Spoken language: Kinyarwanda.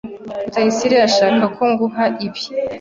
Rutayisire yashakaga ko nguha ibi.